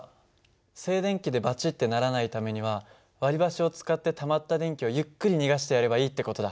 静電気でバチッてならないためには割り箸を使ってたまった電気をゆっくり逃がしてやればいいって事だ。